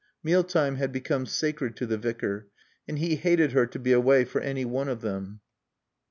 Meal time had become sacred to the Vicar and he hated her to be away for any one of them.